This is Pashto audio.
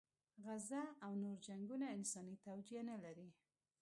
غزه او نور جنګونه انساني توجیه نه لري.